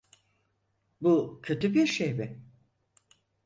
Bu kötü bir şey mi?